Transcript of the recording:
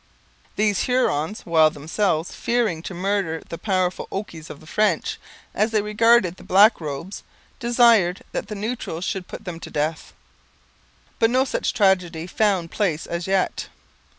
These Hurons, while themselves fearing to murder the powerful okies of the French, as they regarded the black robes, desired that the Neutrals should put them to death. But no such tragedy found place as yet.